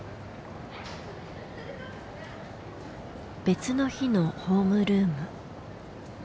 別の日のホームルーム。